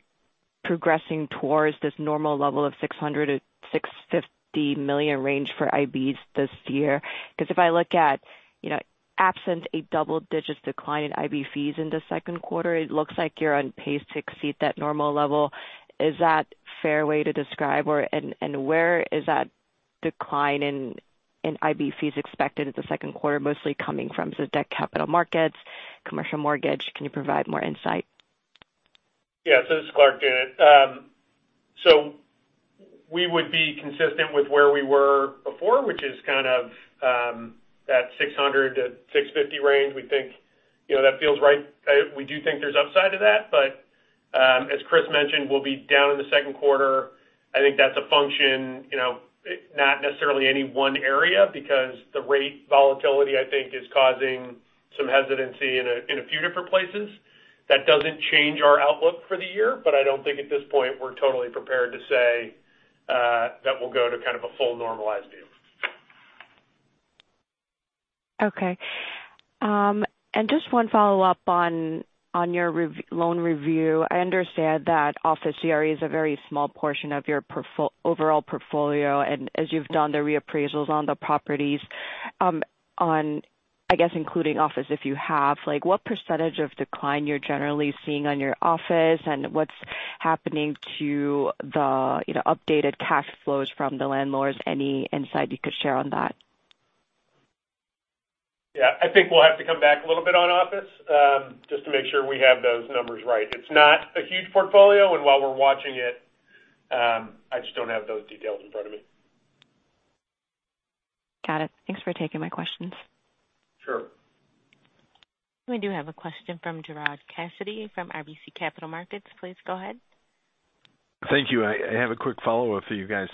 progressing towards this normal level of $600 million-$650 million range for IBs this year? Because if I look at, you know, absent a double-digit decline in IB fees in the second quarter, it looks like you're on pace to exceed that normal level. Is that fair way to describe? Or, and where is that decline in IB fees expected in the second quarter, mostly coming from the debt capital markets, commercial mortgage? Can you provide more insight? Yeah, so this is Clark, Janet. So we would be consistent with where we were before, which is kind of that 600-650 range. We think, you know, that feels right. We do think there's upside to that, but as Chris mentioned, we'll be down in the second quarter. I think that's a function, you know, not necessarily any one area, because the rate volatility, I think, is causing some hesitancy in a few different places. That doesn't change our outlook for the year, but I don't think at this point we're totally prepared to say that we'll go to kind of a full normalized view. Okay. And just one follow-up on your loan review. I understand that office CRE is a very small portion of your overall portfolio, and as you've done the reappraisals on the properties, on, I guess, including office, if you have, like, what percentage of decline you're generally seeing on your office and what's happening to the, you know, updated cash flows from the landlords? Any insight you could share on that? Yeah. I think we'll have to come back a little bit on office, just to make sure we have those numbers right. It's not a huge portfolio, and while we're watching it, I just don't have those details in front of me. Got it. Thanks for taking my questions. Sure. We do have a question from Gerard Cassidy from RBC Capital Markets. Please go ahead. Thank you. I have a quick follow-up for you guys.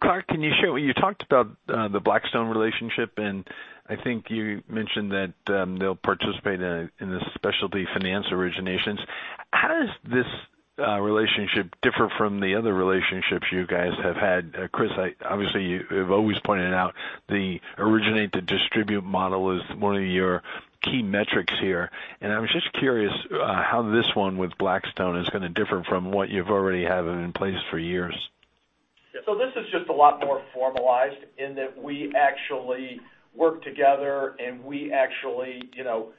Clark, can you share, you talked about the Blackstone relationship, and I think you mentioned that they'll participate in the specialty finance originations. How does this relationship differ from the other relationships you guys have had? Chris, I obviously, you have always pointed out the originate-to-distribute model is one of your key metrics here, and I was just curious how this one with Blackstone is gonna differ from what you've already had in place for years. So this is just a lot more formalized in that we actually work together and we actually, you know,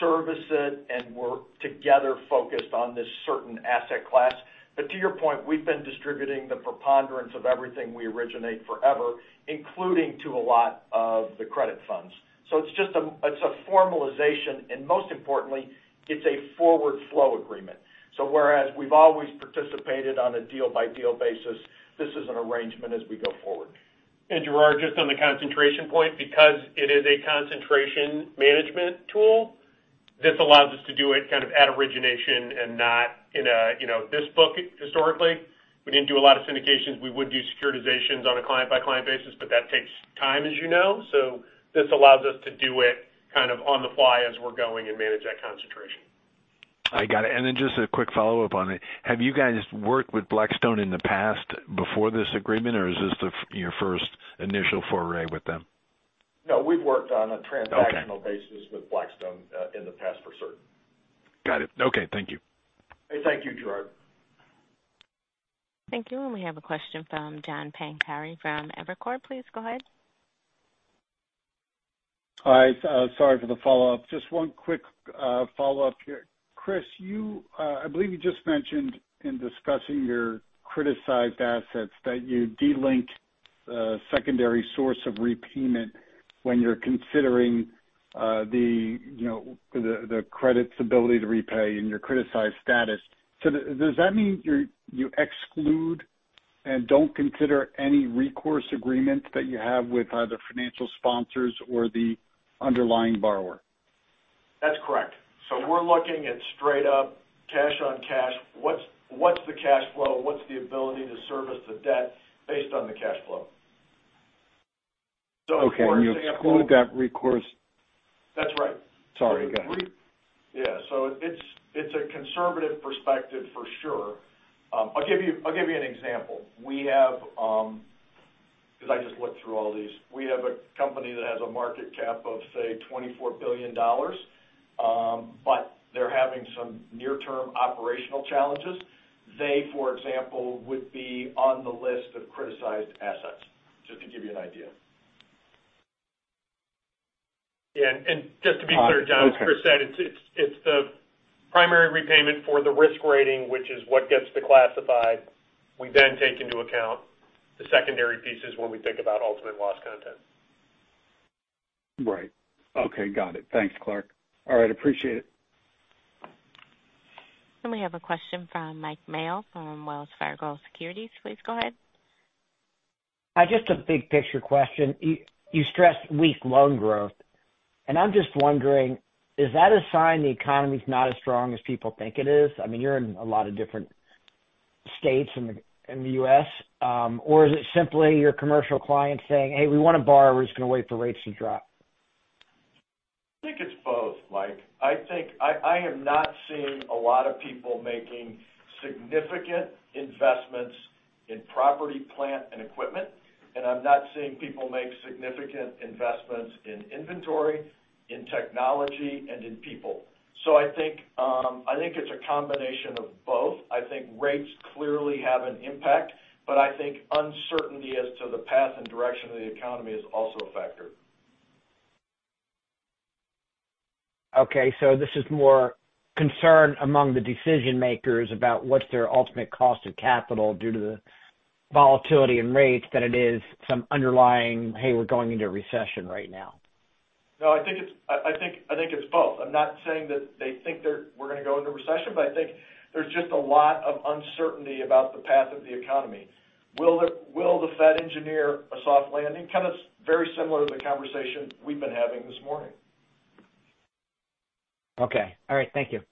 service it and we're together focused on this certain asset class. But to your point, we've been distributing the preponderance of everything we originate forever, including to a lot of the credit funds. So it's just a, it's a formalization, and most importantly, it's a forward flow agreement. So whereas we've always participated on a deal-by-deal basis, this is an arrangement as we go forward. And Gerard, just on the concentration point, because it is a concentration management tool, this allows us to do it kind of at origination and not in a, you know, this book, historically, we didn't do a lot of syndications. We would do securitizations on a client-by-client basis, but that takes time, as you know. So this allows us to do it kind of on the fly as we're going and manage that concentration. I got it. Then just a quick follow-up on it. Have you guys worked with Blackstone in the past before this agreement, or is this the, your first initial foray with them? No, we've worked on a transactional- Okay. -basis with Blackstone, in the past, for certain. Got it. Okay. Thank you. Thank you, Gerard. Thank you. We have a question from John Pancari from Evercore. Please go ahead. Hi, sorry for the follow-up. Just one quick follow-up here. Chris, you I believe you just mentioned in discussing your criticized assets, that you de-link a secondary source of repayment when you're considering the you know the credit's ability to repay and your criticized status. So does that mean you exclude and don't consider any recourse agreement that you have with either financial sponsors or the underlying borrower? That's correct. So we're looking at straight up cash on cash. What's the cash flow? What's the ability to service the debt based on the cash flow? So- Okay, and you exclude that recourse? That's right. Sorry, go ahead. Yeah, so it's, it's a conservative perspective for sure. I'll give you, I'll give you an example. We have, 'cause I just looked through all these. We have a company that has a market cap of, say, $24 billion, but they're having some near-term operational challenges. They, for example, would be on the list of criticized assets, just to give you an idea. Yeah, and just to be clear, John, as Chris said, it's the primary repayment for the risk rating, which is what gets declassified. We then take into account the secondary pieces when we think about ultimate loss content. Right. Okay, got it. Thanks, Clark. All right, appreciate it. We have a question from Mike Mayo from Wells Fargo Securities. Please go ahead. Just a big picture question. You, you stressed weak loan growth, and I'm just wondering, is that a sign the economy's not as strong as people think it is? I mean, you're in a lot of different states in the, in the U.S., or is it simply your commercial clients saying, "Hey, we wanna borrow, we're just gonna wait for rates to drop? I think it's both, Mike. I think I am not seeing a lot of people making significant investments in property, plant, and equipment, and I'm not seeing people make significant investments in inventory, in technology, and in people. So I think I think it's a combination of both. I think rates clearly have an impact, but I think uncertainty as to the path and direction of the economy is also a factor. Okay, so this is more concern among the decision makers about what's their ultimate cost of capital due to the volatility in rates than it is some underlying, "Hey, we're going into a recession right now. No, I think it's both. I'm not saying that they think we're gonna go into recession, but I think there's just a lot of uncertainty about the path of the economy. Will the Fed engineer a soft landing? Kind of very similar to the conversation we've been having this morning. Okay. All right. Thank you.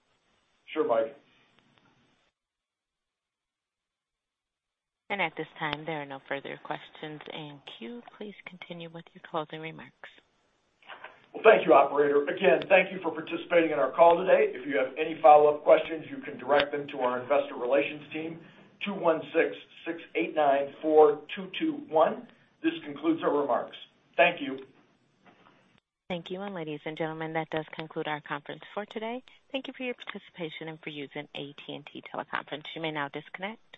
Sure, Mike. At this time, there are no further questions in queue. Please continue with your closing remarks. Well, thank you, operator. Again, thank you for participating in our call today. If you have any follow-up questions, you can direct them to our investor relations team, 216-689-4221. This concludes our remarks. Thank you. Thank you. Ladies and gentlemen, that does conclude our conference for today. Thank you for your participation and for using AT&T Teleconference. You may now disconnect.